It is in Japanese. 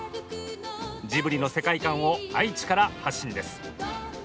ジブリの世界観を愛知から発信です。